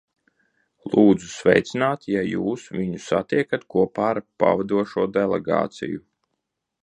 Lūdzu sveicināt, ja jūs viņu satiekat kopā ar pavadošo delegāciju.